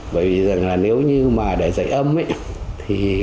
bởi vì rằng là nếu như mà để dạy âm ấy